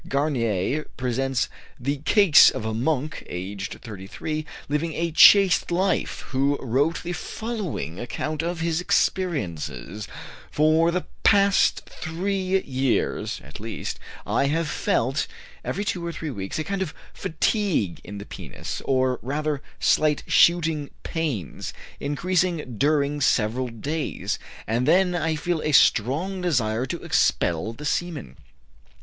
Garnier presents the case of a monk, aged 33, living a chaste life, who wrote the following account of his experiences: "For the past three years, at least, I have felt, every two or three weeks, a kind of fatigue in the penis, or, rather, slight shooting pains, increasing during several days, and then I feel a strong desire to expel the semen.